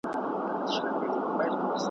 پورته غر کښته ځنګل وي شین سهار د زرکو شخول وي `